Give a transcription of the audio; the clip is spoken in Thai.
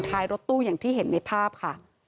ท้ายรถตู้อย่างที่เห็นในภาพค่ะ